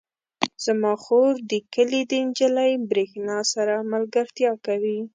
زما خور د کلي د نجلۍ برښنا سره ملګرتیا کوي.